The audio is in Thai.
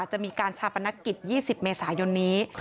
จะมีการชาปนกิจ๒๐เมษายนนี้